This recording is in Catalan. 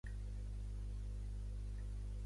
Què és això d'acusar de sedició?